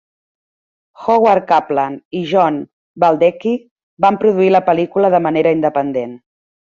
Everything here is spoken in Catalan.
Howard Kaplan i John Baldecchi van produir la pel·lícula de manera independent.